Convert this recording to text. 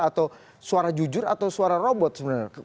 atau suara jujur atau suara robot sebenarnya